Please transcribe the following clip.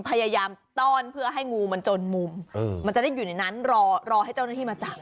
พยายามต้อนเพื่อให้งูมันจนมุมมันจะได้อยู่ในนั้นรอรอให้เจ้าหน้าที่มาจับ